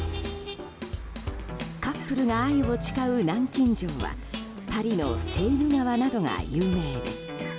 カップルが愛を誓う南京錠はパリのセーヌ川などが有名です。